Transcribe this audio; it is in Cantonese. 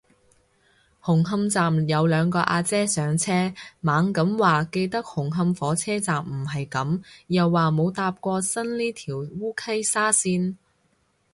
紅磡站有兩個阿姐上車，猛咁話記得紅磡火車站唔係噉，又話冇搭過新呢條烏溪沙綫